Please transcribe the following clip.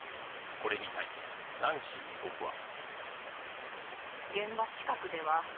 これに対し、ナンシー被告は。